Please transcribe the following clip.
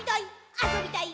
あそびたい！」